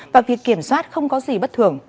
và việc kiểm soát không có gì bất thường